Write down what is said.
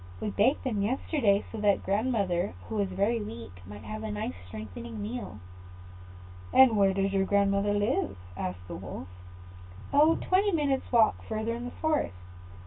"We baked the meat yesterday, so that grandmother, who is very weak, might have a nice strengthening meal." "And where does your grandmother live?" asked the Wolf. "Oh, quite twenty minutes walk further in the forest.